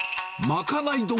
まかない丼？